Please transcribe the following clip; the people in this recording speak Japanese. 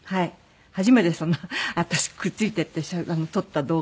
初めて私くっついていって撮った動画なんですけど。